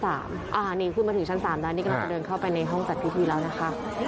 นี่ขึ้นมาถึงชั้น๓แล้วนี่กำลังจะเดินเข้าไปในห้องจัดพิธีแล้วนะคะ